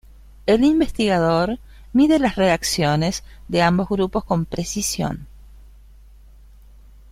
El investigador mide las reacciones de ambos grupos con precisión.